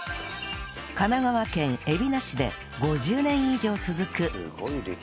神奈川県海老名市で５０年以上続く